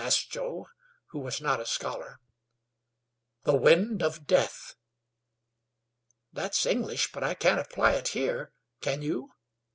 asked Joe, who was not a scholar. "The Wind of Death." "That's English, but I can't apply it here. Can you?"